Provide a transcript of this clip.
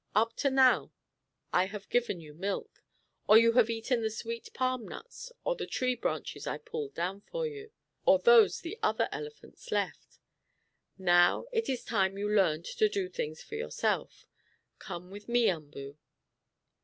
Up to now I have given you milk, or you have eaten the sweet palm nuts or the tree branches I pulled down for you, or those the other elephants left. Now it is time you learned to do things for yourself. Come with me, Umboo."